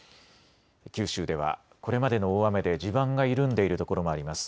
九州ではこれまでの大雨で地盤が緩んでいるところもあります。